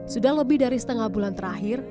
sudah lebih dari setengah bulan terakhir